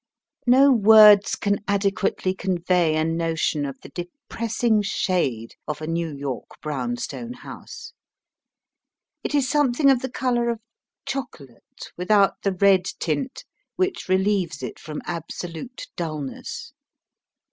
No words can adequately convey a notion of the depressing shade of a New York brown stone house. It is some thing of the colour of chocolate without the red tint which relieves it from absolute dull ness.